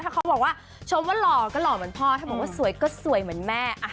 ถ้าเขาบอกว่าชมว่าหล่อก็หล่อเหมือนพ่อถ้าบอกว่าสวยก็สวยเหมือนแม่